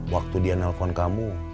waktu dia nelfon kamu